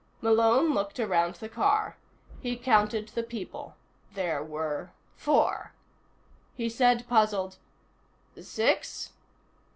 Malone looked around the car. He counted the people. There were four. He said, puzzled: "Six?"